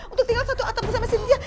untuk tinggal satu hari bersama cynthia